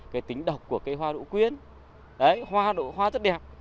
cái tính độc của cây hoa đỗ quyên đấy hoa đỗ hoa rất đẹp